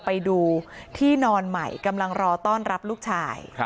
ไปดูที่นอนใหม่กำลังรอต้อนรับลูกชาย